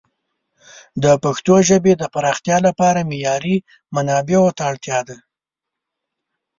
د پښتو ژبې د پراختیا لپاره معیاري منابعو ته اړتیا ده.